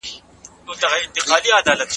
د نورو سفرونو په نسبت د ثوابونو سفر ستونزمن وي.